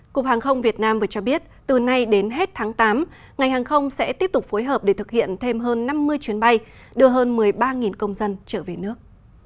cục hàng không việt nam vừa cho biết từ nay đến hết tháng tám ngành hàng không sẽ tiếp tục phối hợp để thực hiện thêm hơn năm mươi chuyến bay đưa hơn một mươi ba công dân trở về nước